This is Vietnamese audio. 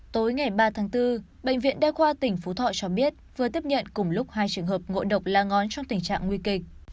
tối ngày ba tháng bốn bệnh viện đa khoa tỉnh phú thọ cho biết vừa tiếp nhận cùng lúc hai trường hợp ngộ độc lá ngón trong tình trạng nguy kịch